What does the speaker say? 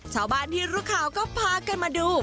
ชาวบ้านที่รู้ข่าวก็พากันมาดู